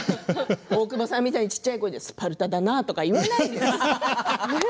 大久保さんみたいに小っちゃい声でスパルタだなとか言わないん